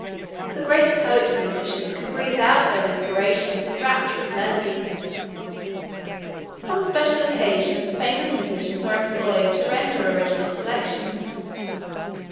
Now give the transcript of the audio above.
The great poet musicians can breathe out their inspirations in rapturous melodies. On special occasions famous musicians are employed to render original selections.